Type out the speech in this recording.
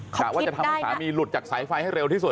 กะว่าจะทำให้สามีหลุดจากสายไฟให้เร็วที่สุด